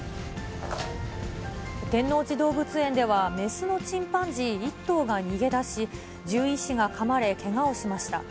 天王寺動物園では、雌のチンパンジー１頭が逃げ出し、獣医師がかまれけがをしました。